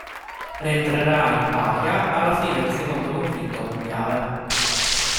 Rientrerà in patria alla fine del secondo conflitto mondiale.